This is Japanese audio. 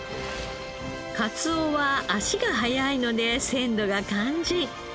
かつおは足が早いので鮮度が肝心。